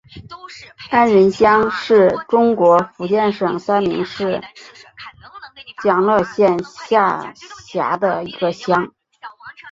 安仁乡是中国福建省三明市将乐县下辖的一个乡。